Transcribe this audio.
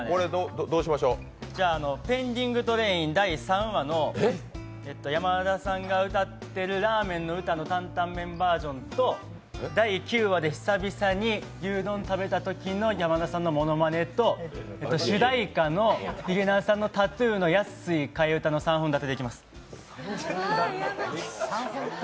じゃ、「ペンディングトレイン」第３話の山田さんが歌っているラーメンの歌の坦々麺バージョンと、第９話で久々に牛丼食べたときの山田さんのモノマネと、主題歌の「ＴＡＴＴＯＯ」の替え歌の三本立てでいきます。